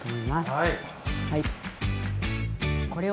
はい。